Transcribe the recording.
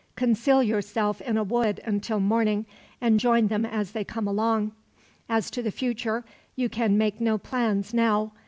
Conceal yourself in a wood until morning, and join them as they come along. "As to the future, you can make no plans, now.